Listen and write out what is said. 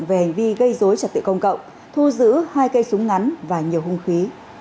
về hành vi gây dối trật tự công cộng thu giữ hai cây súng ngắn và nhiều hung khí